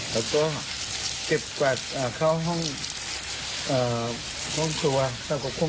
ไม่ได้ไปไหนแต่พักค่อน